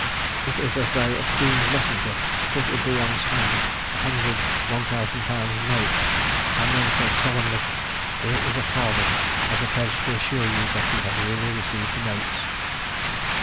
It is as though a queen's messenger put into one's hand a hundred £1000 notes, and then said solemnly: "Here is a farthing as a pledge to assure you that you have really received the notes."